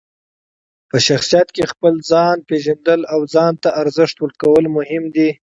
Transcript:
په شخصیت کې خپل ځان پېژندل او ځان ته ارزښت ورکول مهم دي.